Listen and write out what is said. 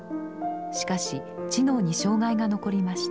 しかし知能に障害が残りました。